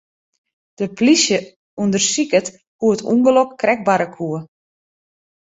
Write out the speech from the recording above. De plysje ûndersiket hoe't it ûngelok krekt barre koe.